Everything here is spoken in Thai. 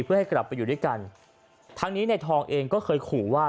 เพื่อให้กลับไปอยู่ด้วยกันทั้งนี้ในทองเองก็เคยขู่ว่า